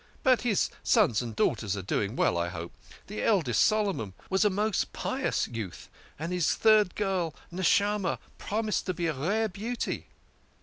" But his sons and daughters are all doing well, I hope. The eldest, Solo mon, was a most pious youth, and his third girl, Neshamah, promised to be a rare beauty."